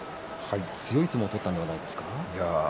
強い相撲を取ったんじゃないですか。